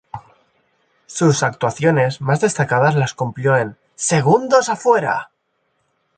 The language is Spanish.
Sus actuaciones más destacadas las cumplió en "¡Segundos afuera!